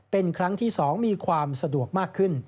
เป็นครั้งที่๒มีความสะดวกมากขึ้น